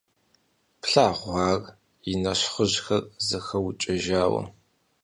Плъагъурэ ар, и нэщхъыжьхэр зэхэукӀэжауэ!